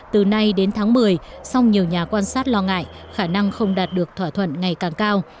từ nay đến tháng một mươi song nhiều nhà quan sát lo ngại khả năng không đạt được thỏa thuận ngày càng cao